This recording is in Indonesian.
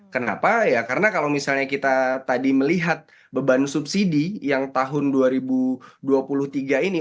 kenapa ya karena kalau misalnya kita tadi melihat beban subsidi yang tahun dua ribu dua puluh tiga ini